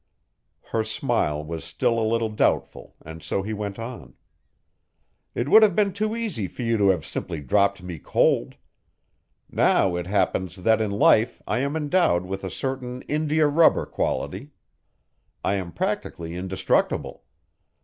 Her smile was still a little doubtful and so he went on. "It would have been too easy for you to have simply dropped me cold. Now it happens that in life I am endowed with a certain india rubber quality. I am practically indestructible.